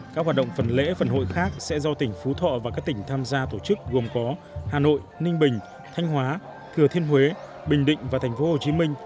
các hoạt động phần lễ phần hội khác sẽ do tỉnh phú thọ và các tỉnh tham gia tổ chức gồm có hà nội ninh bình thanh hóa thừa thiên huế bình định và tp hcm